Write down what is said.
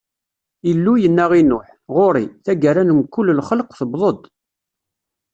Illu yenna i Nuḥ: Ɣur-i, taggara n mkul lxelq tewweḍ-d.